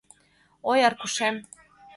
— Ой, Аркушем...